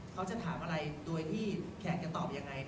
เขาจะถามอะไรโดยที่แขกจะตอบยังไง